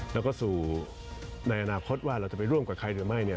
แล้วก็สู่ในอนาคตว่าเราจะไปร่วมกับใครหรือไม่เนี่ย